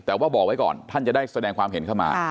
แต่ว่าบอกไว้ก่อนท่านจะได้แสดงความเห็นเข้ามา